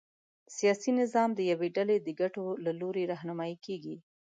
سیاسي نظام د یوې ډلې د ګټو له لوري رهنمايي کېږي.